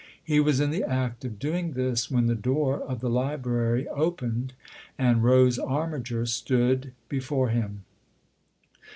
He was in the act of doing this when the door of the library opened and Rose Armiger stood before him.